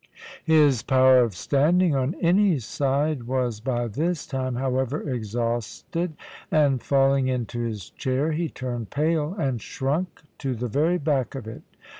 His power of standing on any side was by this time, however, exhausted; and falling into his chair he turned pale, and shrunk to the very back of it.